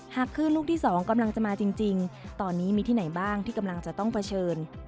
คลื่นลูกที่๒กำลังจะมาจริงตอนนี้มีที่ไหนบ้างที่กำลังจะต้องเผชิญ